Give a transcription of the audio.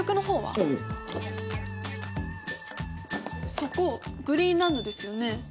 そこグリーンランドですよね？